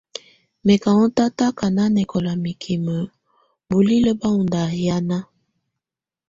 Mɛ̀ kà ɔ́n tataka nanɛkɔla mikimǝ bulilǝ́ bà ɔ́n ndahiana.